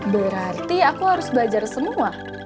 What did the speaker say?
berarti aku harus belajar semua